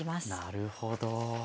なるほど。